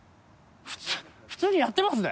普通普通にやってますね。